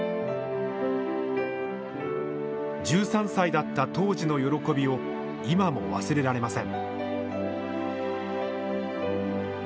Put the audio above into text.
１３歳だった当時の喜びを今も忘れられません。